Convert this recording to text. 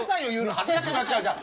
恥ずかしくなっちゃうじゃん！